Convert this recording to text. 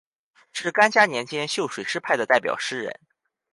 是干嘉年间秀水诗派的代表诗人。